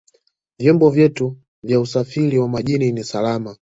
vyombo vyetu vya usafiri wa majini ni salama